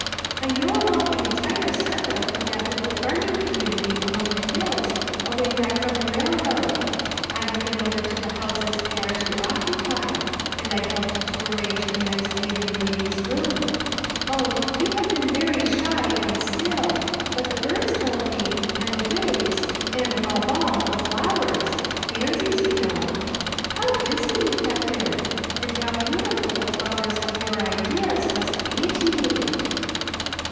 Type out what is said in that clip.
I know about the entire circle from that little farming community among the hills, away back from the railroad. I have been over to the houses they are to occupy, and I helped arrange the nice maiden lady's room ; oh ! you have been very shy and still, but the birds told me, and the waves, and, above all, the flowers — pansies, you know. How busy you have been ! And how beautiful the flowers of your ideas must be to you."